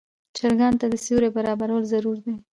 چرګانو ته د سیوري برابرول ضروري دي.